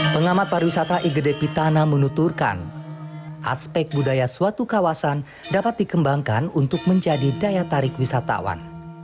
pengamat pariwisata igede pitana menuturkan aspek budaya suatu kawasan dapat dikembangkan untuk menjadi daya tarik wisatawan